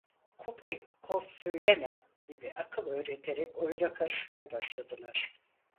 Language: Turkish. "Kupayı koz söyleme!" gibi akıl öğreterek oyuna karışmaya başladılar.